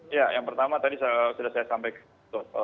ya yang pertama tadi sudah saya sampaikan